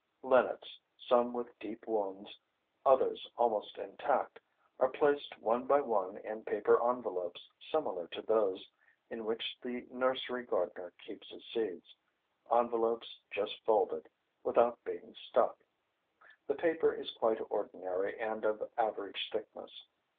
Linnets, some with deep wounds, others almost intact, are placed one by one in paper envelopes similar to those in which the nursery gardener keeps his seeds, envelopes just folded, without being stuck. The paper is quite ordinary and of average thickness.